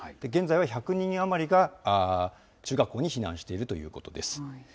現在は１００人余りが中学校に避難しているということです。